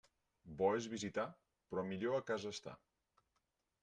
Bo és visitar, però millor a casa estar.